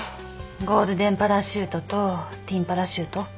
ゴールデンパラシュートとティンパラシュート？